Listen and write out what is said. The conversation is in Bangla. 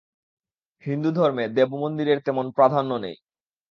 হিন্দুধর্মে দেবমন্দিরের তেমন প্রাধান্য নেই।